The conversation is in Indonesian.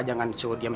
nggak ada lagi